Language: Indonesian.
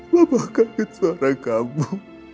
papa kaget suara kamu